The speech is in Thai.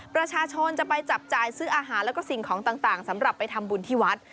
ประชาชนจะไปจับจ่ายซื้ออาหารแล้วก็สิ่งของต่างสำหรับไปทำบุญที่วัด